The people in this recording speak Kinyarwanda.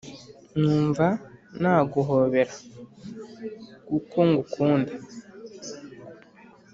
numva naguhobera guko ngukunda